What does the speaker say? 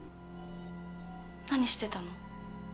何してたの？